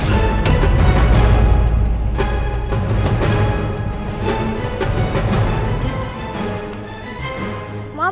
tuh tentu bahwa